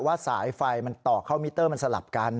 สายไฟมันต่อเข้ามิเตอร์มันสลับกัน